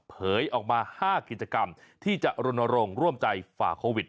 ออกมา๕กิจกรรมที่จะรณรงค์ร่วมใจฝ่าโควิด